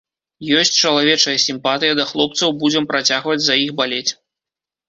Ёсць чалавечая сімпатыя да хлопцаў, будзем працягваць за іх балець.